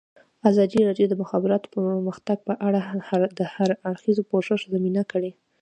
ازادي راډیو د د مخابراتو پرمختګ په اړه د هر اړخیز پوښښ ژمنه کړې.